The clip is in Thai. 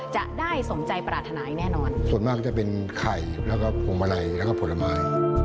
จะได้สมใจปรฐานายแน่นอน